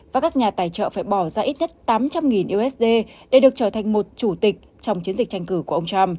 và các nhà tài trợ phải bỏ ra ít nhất tám trăm linh usd để được trở thành một chủ tịch trong chiến dịch tranh cử